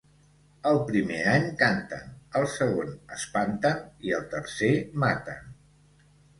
El primer any canten, el segon espanten i el tercer maten.